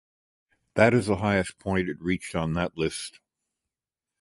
That is the highest point it reached on that list.